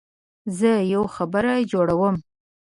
زه یو خبر جوړوم.